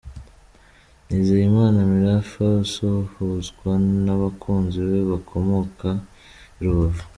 Nizeyimana Mirafa asuhuzwa n'abakunzi be bakomoka i Rubavu.